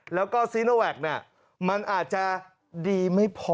แล้วก็ซีโนแวคมันอาจจะดีไม่พอ